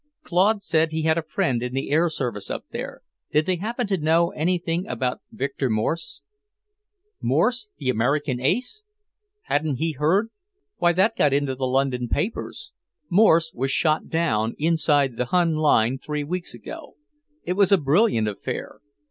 Claude said he had a friend in the air service up there; did they happen to know anything about Victor Morse? Morse, the American ace? Hadn't he heard? Why, that got into the London papers. Morse was shot down inside the Hun line three weeks ago. It was a brilliant affair.